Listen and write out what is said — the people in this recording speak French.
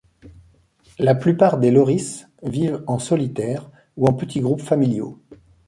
La plupart des loris vivent en solitaire ou en petits groupes familiaux.